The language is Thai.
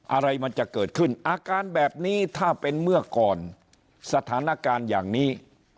อะไรมันจะเกิดขึ้นอาการแบบนี้ถ้าเป็นเมื่อก่อนสถานการณ์อย่างนี้